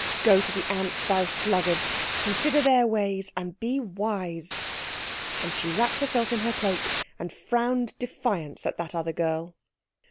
Go to the ants, thou sluggard; consider their ways, and be wise." And she wrapped herself in her cloak, and frowned defiance at that other girl.